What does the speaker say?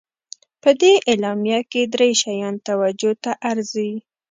په دې اعلامیه کې درې شیان توجه ته ارزي.